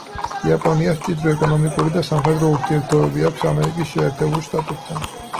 იაპონიას მჭიდრო ეკონომიკური და სამხედრო ურთიერთობები აქვს ამერიკის შეერთებულ შტატებთან.